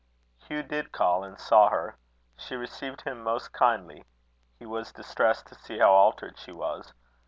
Hugh did call, and saw her. She received him most kindly. He was distressed to see how altered she was.